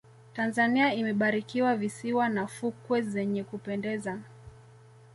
tanzania imebarikiwa visiwa na fukwe zenye kupendeza